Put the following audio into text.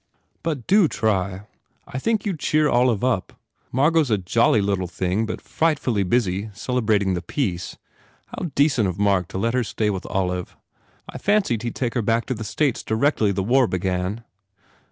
"But do try. I think you d cheer Olive up. Margot s a jolly little thing but frightfully busy celebrating the peace. How decent of Mark to let her stay with Olive ! I fancied he d take her back to the States directly the war began."